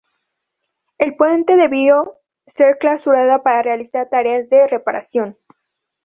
El puente debió ser clausurado para realizar tareas de reparación.